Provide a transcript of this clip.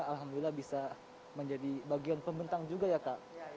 alhamdulillah bisa menjadi bagian pembentang juga ya kak